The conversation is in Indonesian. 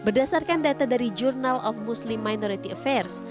berdasarkan data dari jurnal of muslim minority affairs